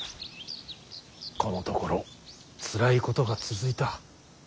このところつらいことが続いた。